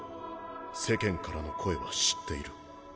世間からの声は知っている。